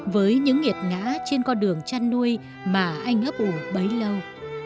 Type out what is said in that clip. với những nghiệt ngã trên con đường chăn nuôi mà anh ấp ủ bấy lâu